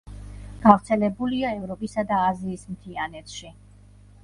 გავრცელებულია ევროპისა და აზიის მთიანეთში.